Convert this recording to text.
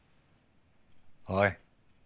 おい。